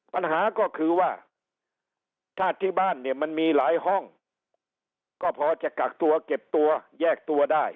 ปัญหาก็คือว่าถ้าที่บ้านเนี่ยมันมีหลายห้องก็พอจะกักตัวเก็บตัวแยกตัวได้